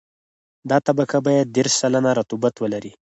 دا طبقه باید دېرش سلنه رطوبت ولري